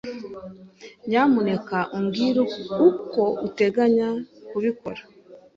Nyamuneka umbwire uko uteganya kubikora.